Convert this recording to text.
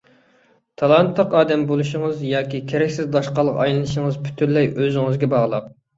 تالانتلىق ئادەم بولۇشىڭىز ياكى كېرەكسىز داشقالغا ئايلىنىشىڭىز پۈتۈنلەي ئۆزىڭىزگە باغلىق.